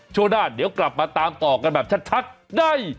ช่วงหน้าเดี๋ยวกลับมาตามต่อกันแบบชัดได้